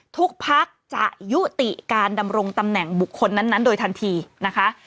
ภักดิ์จะยุติการดำรงตำแหน่งบุคคลนั้นโดยทันทีนะคะ